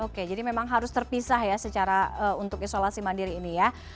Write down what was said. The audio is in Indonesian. oke jadi memang harus terpisah ya secara untuk isolasi mandiri ini ya